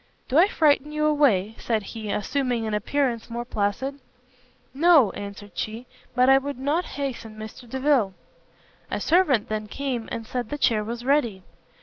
"Do I frighten you away?" said he, assuming an appearance more placid. "No," answered she, "but I would not hasten Mr Delvile." A servant then came, and said the chair was ready.